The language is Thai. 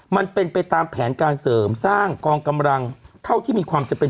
มันเป็นไปตามแผนการเสริมสร้างกองกำลังเท่าที่มีความจำเป็น